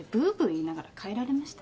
言いながら帰られました。